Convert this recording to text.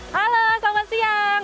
halo selamat siang